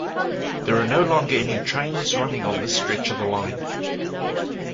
There are no longer any trains running on this stretch of the line.